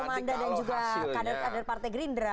ketemu manda dan juga kader kader partai gerindra